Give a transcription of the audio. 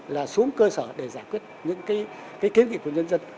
là xuống cơ sở để giải quyết những cái kiến nghị của nhân dân